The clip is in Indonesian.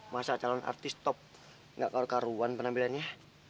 masa calon artis top nggak karu karuan penampilannya